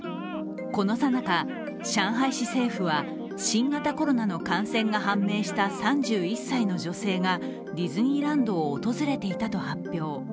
このさなか、上海市政府は新型コロナの感染が判明した３１歳の女性がディズニーランドを訪れていたと発表。